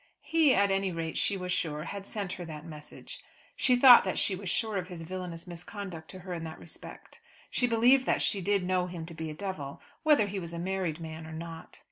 He, at any rate, she was sure, had sent her that message. She thought that she was sure of his villainous misconduct to her in that respect. She believed that she did know him to be a devil, whether he was a married man or not.